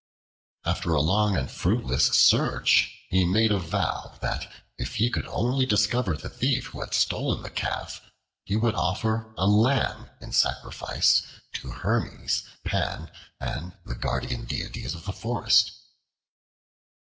After a long and fruitless search, he made a vow that, if he could only discover the thief who had stolen the Calf, he would offer a lamb in sacrifice to Hermes, Pan, and the Guardian Deities of the forest.